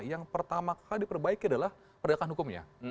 yang pertama kali diperbaiki adalah penegakan hukumnya